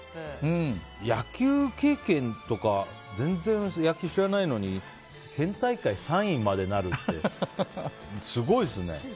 野球経験とか全然野球知らないのに県大会３位までなるってすごいですよね。